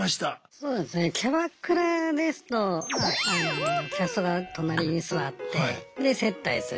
そうなんですねキャバクラですとキャストが隣に座ってで接待する。